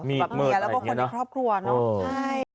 มีกับเมียแล้วก็คนในครอบครัวเนอะใช่